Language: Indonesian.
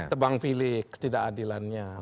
ke tebang pilih ketidakadilannya